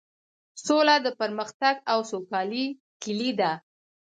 سوله د پرمختګ او سوکالۍ کیلي ده.